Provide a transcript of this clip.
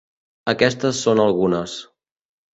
Aquestes són algunes.